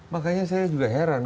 makanya saya juga heran